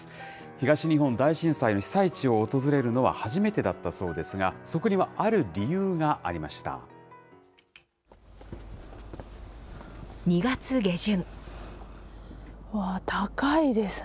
東日本大震災の被災地を訪れるのは初めてだったそうですが、そこ２月下旬。